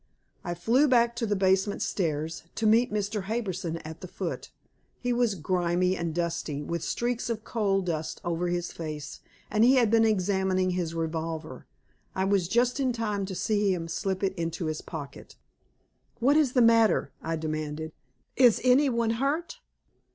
I flew back to the basement stairs, to meet Mr. Harbison at the foot. He was grimy and dusty, with streaks of coal dust over his face, and he had been examining his revolver. I was just in time to see him slip it into his pocket. "What is the matter?" I demanded. "Is any one hurt?"